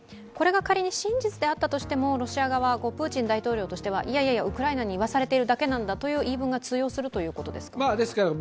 これが仮に真実であったとしても、ロシア側、プーチン大統領としては、いやいやウクライナに言わされているだけなんだという言い分が通用するということでしょうか。